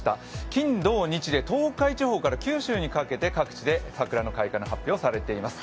金土日で東海地方から九州で各地で桜の開花の発表がされています。